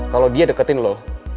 kalau dia deketin lo